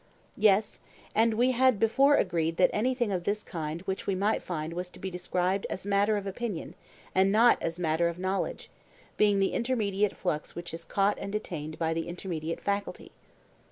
Yes; and we had before agreed that anything of this kind which we might find was to be described as matter of opinion, and not as matter of knowledge; being the intermediate flux which is caught and detained by the intermediate faculty.